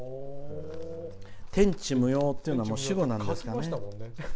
天地無用っていうのはもう死語なんですかね。